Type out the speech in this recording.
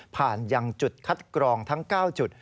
ยังจุดคัดกรองทั้ง๙จุด